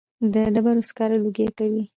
د ډبرو سکاره لوګی کوي